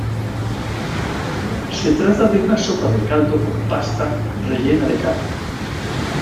Se trata de una sopa de caldo con pasta rellena de carne.